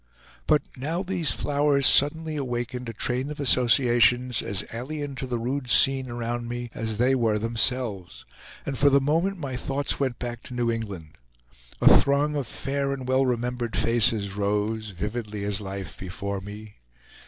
But now these flowers suddenly awakened a train of associations as alien to the rude scene around me as they were themselves; and for the moment my thoughts went back to New England. A throng of fair and well remembered faces rose, vividly as life, before me.